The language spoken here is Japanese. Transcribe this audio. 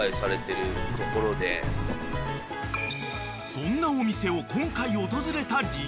［そんなお店を今回訪れた理由］